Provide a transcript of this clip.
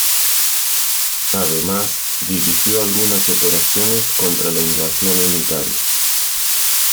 Además, dirigió algunas operaciones contra la invasión unitaria.